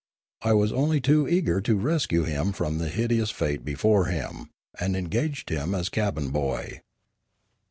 I was only too eager to rescue him from the hideous fate be fore him, and engaged him as cabin boy.